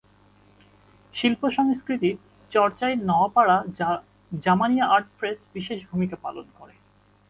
শিল্প সংস্কৃতি চর্চায় নওয়াপড়া জামানিয়া আর্ট প্রেস বিশেষ ভূমিকা পালন করে।